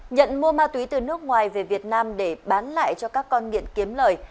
nhận mua ma túy từ nước ngoài về việt nam để bán lại cho các con nghiện kiếm lời